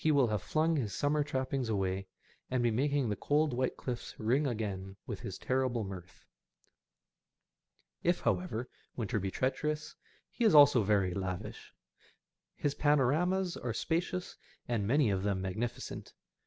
will have flung his summer trappings away, and be making the cold white cliffs ring again with his terrible mirth. If, however, winter be treacherous, he is also very lavish. His panoramas are spacious, and many of them magnificent.